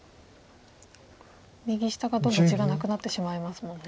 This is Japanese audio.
右下がどんどん地がなくなってしまいますもんね。